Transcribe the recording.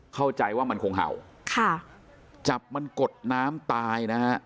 เข้าใจว่ามันคงเห่าค่ะจับมันกดน้ำตายนะฮะ